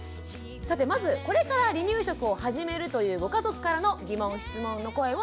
さてまずこれから離乳食を始めるというご家族からの疑問質問の声を見てみましょう。